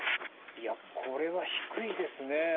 いやこれは低いですね。